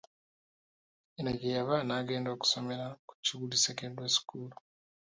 Eno gye yava n'agenda okusomera ku Kibuli Secondary School.